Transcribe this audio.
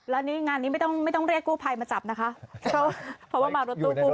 แล้วงานนี้ไม่ต้องเรียกกู้ไพรมาจับนะคะเพราะว่ามารถตู้กู้ไพร